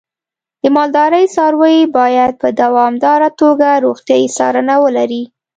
د مالدارۍ څاروی باید په دوامداره توګه روغتیايي څارنه ولري.